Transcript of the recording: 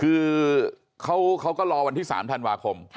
คือเขาก็รอวันที่๓ธันวาคม